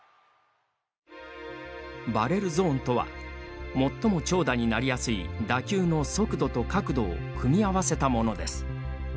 バレルゾーンとは最も長打になりやすい打球の速度と角度を組み合わせたものです。